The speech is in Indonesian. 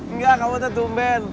nggak kamu tuh dumbin